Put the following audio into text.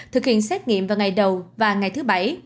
thực hiện xét nghiệm vào ngày đầu và ngày thứ bảy